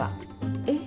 えっ？